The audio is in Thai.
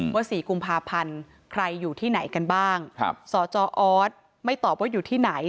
สี่กุมภาพันธ์ใครอยู่ที่ไหนกันบ้างสจออสไม่ตอบว่าอยู่ที่ไหน